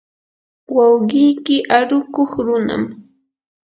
wawqiyki arukuq runam.